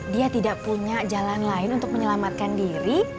dia tidak punya jalan lain untuk menyelamatkan diri